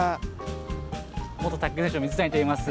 元卓球選手の水谷といいます。